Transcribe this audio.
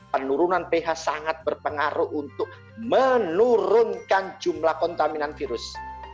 penurunan ph sangat berpengaruh untuk menurunkan jumlah kontaminan virus